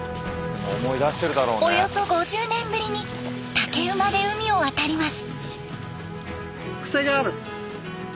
およそ５０年ぶりに竹馬で海を渡ります。